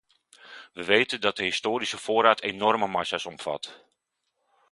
Wij weten dat de historische voorraad enorme massa's omvat.